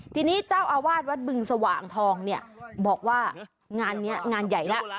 ทีนี้เจ้าอาวาสวัดบึงสว่างทองเนี่ยบอกว่างานนี้งานใหญ่แล้ว